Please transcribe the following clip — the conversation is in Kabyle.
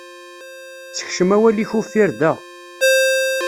Sekcem awal-ik uffir da.